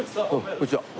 こんにちは。